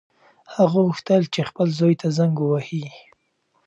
هغه غوښتل چې خپل زوی ته زنګ ووهي.